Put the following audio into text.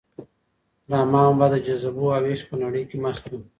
رحمان بابا د جذبو او عشق په نړۍ کې مست و.